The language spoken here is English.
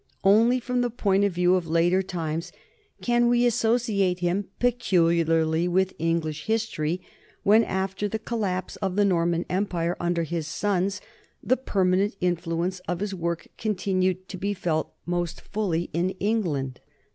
Only from the point of view of later times can we associate him peculiarly with English history, when after the collapse of the Nor man empire under his sons, the permanent influence of his work continued to be felt most fully in England.